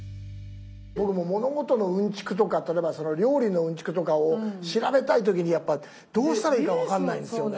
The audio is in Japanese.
僕物事のウンチクとか例えば料理のウンチクとかを調べたい時にやっぱどうしたらいいか分かんないんすよね。